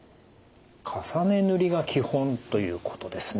重ね塗りが基本ということですね。